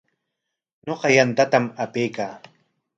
Ñuqa yantatam apaykaa.